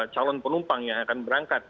calon penumpang yang akan berangkat